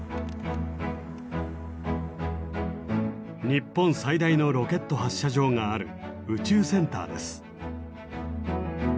日本最大のロケット発射場がある宇宙センターです。